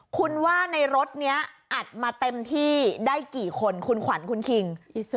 คุณว่าในรถนี้อัดมาเต็มที่ได้กี่คนคุณขวัญคุณคิง